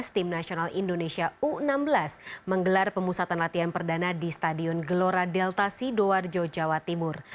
tim nasional indonesia u enam belas menggelar pemusatan latihan perdana di stadion gelora delta sidoarjo jawa timur